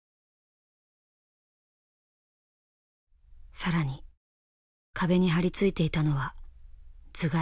更に壁に張り付いていたのは頭蓋骨。